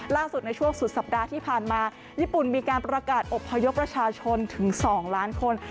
ล่าสุดในช่วงสุดสัปดาห์ที่ผ่านมาญี่ปุ่นมีการประกาศอบพยพประชาชนถึง๒ล้านคน